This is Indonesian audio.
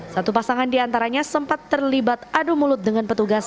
satu pasangan diantaranya sempat terlibat adu mulut dengan petugas